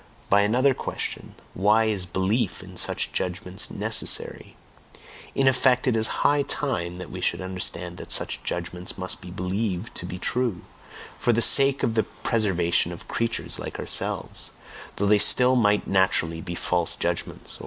by another question, "Why is belief in such judgments necessary?" in effect, it is high time that we should understand that such judgments must be believed to be true, for the sake of the preservation of creatures like ourselves; though they still might naturally be false judgments!